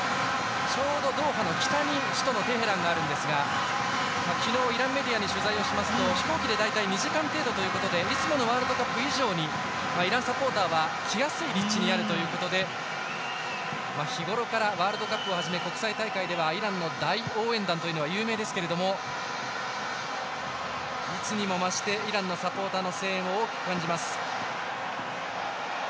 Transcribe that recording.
ちょうどドーハの北に首都のテヘランがあるんですが昨日、イランメディアに取材をしますと、飛行機で大体２時間程度ということでいつものワールドカップ以上にイランサポーターは来やすい立地にあるということで日ごろからワールドカップをはじめ国際大会ではイランの大応援団というのは有名ですけど、いつにも増してイランのサポーターの声援を大きく感じます。